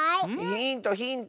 ヒントヒント！